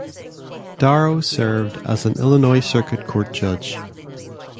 Darrow served as an Illinois Circuit Court judge.